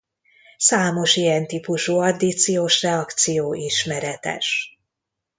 Számos ilyen típusú addíciós reakció ismeretes.